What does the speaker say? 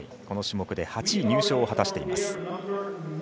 この種目で８位入賞を果たしています。